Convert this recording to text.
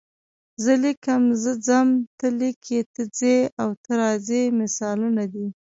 زه لیکم، زه ځم، ته لیکې، ته ځې او ته راځې مثالونه دي.